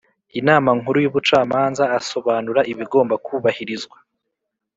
Inama nkuru y ubucamanza asobanura ibigomba kubahirizwa